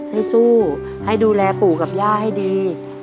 ให้สู้ให้ดูแลปู่กับย่าให้ดี